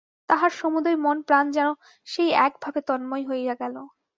তাঁহার সমুদয় মন প্রাণ যেন সেই একভাবে তন্ময় হইয়া গেল।